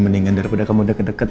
mendingan daripada kamu udah kedeket